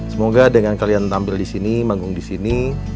semoga dengan kalian tampil di sini manggung di sini